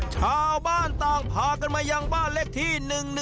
ชาวบ้านต่างพากันมายังบ้านเลขที่๑๑